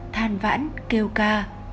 than vãn kêu ca